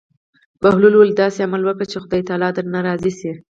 بهلول وویل: داسې عمل وکړه چې خدای تعالی درنه راضي شي.